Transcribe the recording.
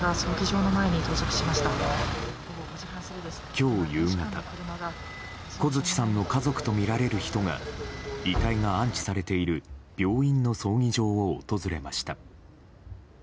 今日夕方小槌さんの家族とみられる人が遺体が安置されている病院の葬儀場を訪れました。